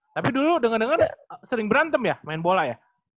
tapi dulu dengar dengar sering berantem ya main bola ya